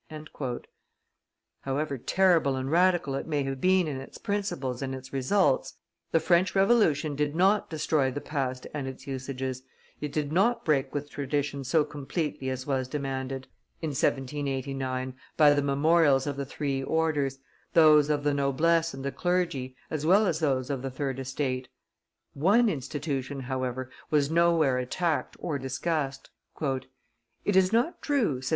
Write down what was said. '" However terrible and radical it may have been in its principles and its results, the French Revolution did not destroy the past and its usages, it did not break with tradition so completely as was demanded, in 1789, by the memorials of the three orders, those of the noblesse and the clergy, as well as those of the third estate. One institution, however, was nowhere attacked or discussed. It is not true," says M.